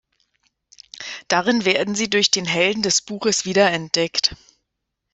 Darin werden sie durch den Helden des Buches wiederentdeckt.